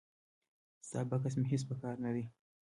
ستا بکس مې هیڅ په کار نه دی.